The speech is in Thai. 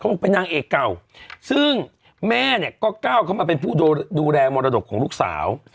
บอกเป็นนางเอกเก่าซึ่งแม่เนี่ยก็ก้าวเข้ามาเป็นผู้ดูแลมรดกของลูกสาว